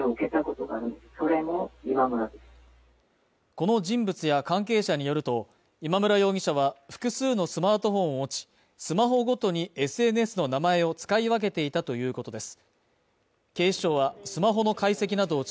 この人物や関係者によると、今村容疑者は複数のスマートフォンを持ちスマホごとにＳＮＳの名前を使い分けていたということです。